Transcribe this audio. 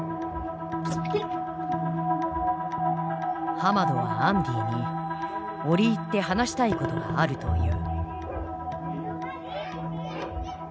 ハマドはアンディに折り入って話したいことがあるという。